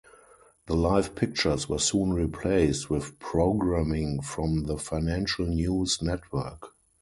The live pictures were soon replaced with programming from the Financial News Network.